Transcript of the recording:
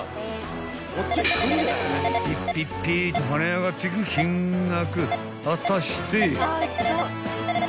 ［ピッピッピッと跳ね上がっていく金額］